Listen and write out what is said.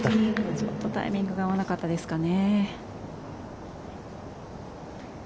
ちょっとタイミングが合わなかったですかね。